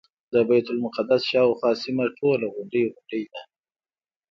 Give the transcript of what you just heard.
د بیت المقدس شاوخوا سیمه ټوله غونډۍ غونډۍ ده.